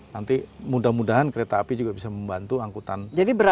nanti mudah mudahan kereta api juga bisa membantu angkutan